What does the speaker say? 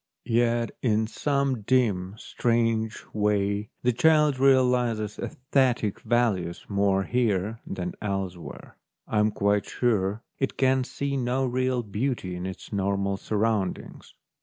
Yet in some dim, strange way the child realises aesthetic values more here than else where. I am quite sure it can see no real 132 THE DAY BEFORE YESTERDAY beauty in its normal surroundings.